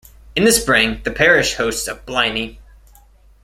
In the spring, the parish hosts a Blini.